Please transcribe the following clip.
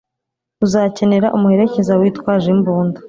Uzakenera umuherekeza witwaje imbunda